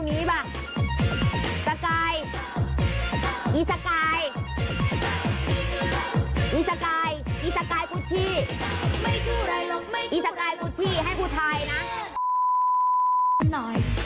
อีสกายพูดที่ให้พูดไทยนะ